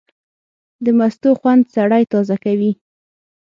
د مستو خوند سړی تازه کوي.